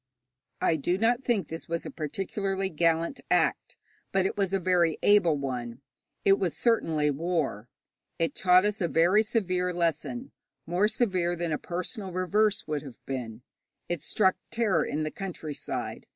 I do not think this was a particularly gallant act, but it was a very able one. It was certainly war. It taught us a very severe lesson more severe than a personal reverse would have been. It struck terror in the countryside.